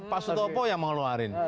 pas toko yang mengeluarkan